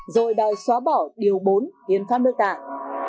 rồi đòi xóa bỏ điều bốn hiến pháp nước tạ